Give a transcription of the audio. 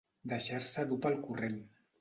Deixar-se dur pel corrent.